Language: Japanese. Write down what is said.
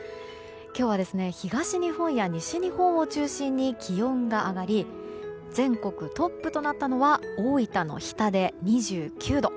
今日は東日本や西日本を中心に気温が上がり全国トップとなったのは大分の日田で２９度。